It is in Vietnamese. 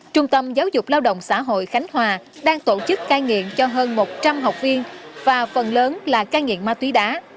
trung tâm giáo dục lao động xã hội khánh hòa đang tổ chức cai nghiện cho hơn một trăm linh học viên và phần lớn là cai nghiện ma túy đá